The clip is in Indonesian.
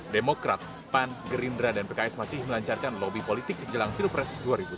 demokrat pan gerindra dan pks masih melancarkan lobby politik jelang pilpres dua ribu sembilan belas